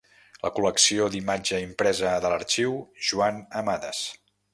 La col·lecció d'imatge impresa de l'Arxiu Joan Amades.